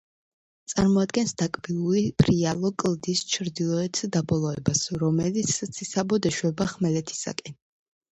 წარმოადგენს დაკბილული ფრიალო კლდის ჩრდილოეთ დაბოლოებას, რომელიც ციცაბოდ ეშვება ხმელეთისაკენ.